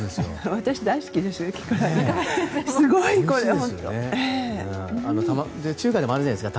私、大好きです。